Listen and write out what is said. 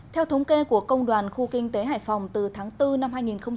theo thống kê của công đoàn khu kinh tế hải phòng từ tháng bốn năm hai nghìn hai mươi